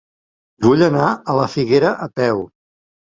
Vull anar a la Figuera a peu.